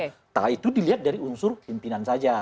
entah itu dilihat dari unsur pimpinan saja